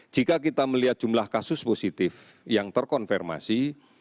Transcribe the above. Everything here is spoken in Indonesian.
jika kita melihat jumlah kasus positif yang terkonfirmasi